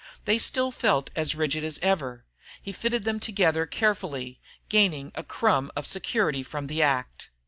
They still felt as rigid as ever. He fitted them together carefully, gaining a crumb of security from the act.